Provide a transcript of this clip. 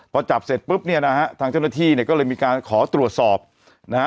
พอจับเสร็จปุ๊บเนี่ยนะฮะทางเจ้าหน้าที่เนี่ยก็เลยมีการขอตรวจสอบนะฮะ